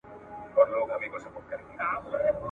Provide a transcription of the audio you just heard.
جهنم ته چي د شیخ جنازه یوسي ,